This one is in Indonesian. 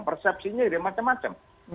persepsinya jadi macam macam